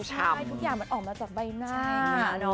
ใช่ทุกอย่างมันออกมาจากใบหน้า